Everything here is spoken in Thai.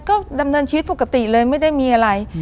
ก็ดำเนินชีวิตปกติเลยไม่ได้มีอะไร